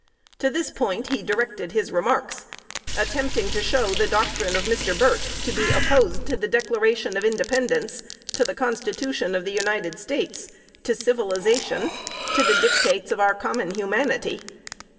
To this point he directed his remarks, attempting to show the doctrine of Mr. Burt to be opposed to the Declaration of Independence, to the Constitution of the United States, to civilization, to the dictates of our common humanity.